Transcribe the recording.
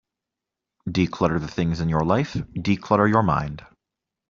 De-clutter the things in your life, de-clutter your mind.